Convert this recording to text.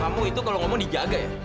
kamu itu kalau ngomong dijaga ya